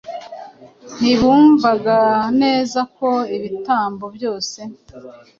Ntibumvaga neza ko ibitambo byose